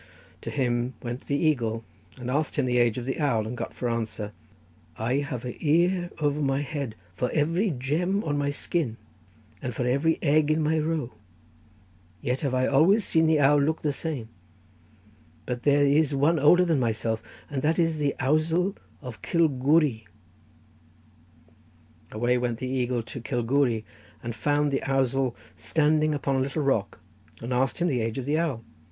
To him went the eagle, and asked him the age of the owl, and got for answer: 'I have a year over my head for every gem on my skin, and for every egg in my roe, yet have I always seen the owl look the same; but there is one older than myself, and that is the ousel of Cilgwry.' Away went the eagle to Cilgwry, and found the ousel standing upon a little rock, and asked him the age of the owl.